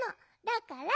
だから。